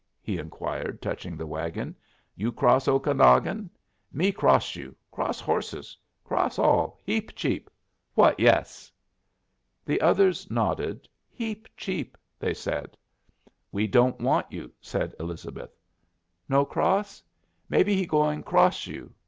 he inquired, touching the wagon. "You cross Okanagon? Me cross you; cross horses; cross all. Heap cheap. What yes?" The others nodded. "Heap cheap," they said. "We don't want you," said Elizabeth. "No cross? Maybe he going cross you?